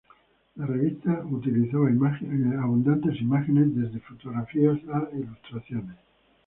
La revista utilizaba abundantes imágenes, desde fotografías a ilustraciones.